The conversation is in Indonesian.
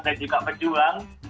dan juga pejuang